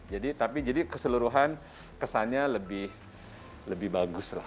jadi keseluruhan kesannya lebih bagus